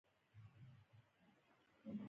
لویه خطا وه.